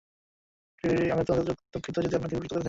আমি অত্যন্ত দুঃখিত যদি আপনাকে বিব্রত করে থাকি।